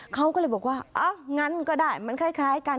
เขาก็เลยบอกว่าอ้าวงั้นก็ได้มันคล้ายกัน